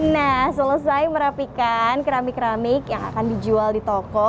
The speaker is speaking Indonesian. nah selesai merapikan keramik keramik yang akan dijual di toko